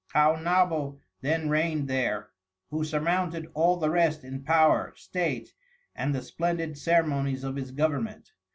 Caonabo then reigned there, who surmounted all the rest in Power, State, and the splendid Ceremonies of His Government.